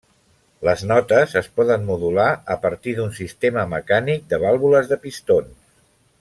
Les notes es poden modular a partir d'un sistema mecànic de vàlvules de pistons.